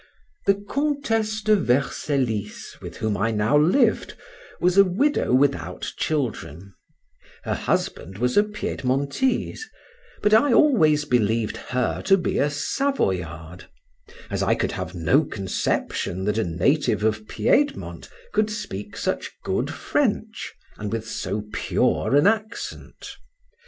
The Countess of Vercellis, with whom I now lived, was a widow without children; her husband was a Piedmontese, but I always believed her to be a Savoyard, as I could have no conception that a native of Piedmont could speak such good French, and with so pure an accent.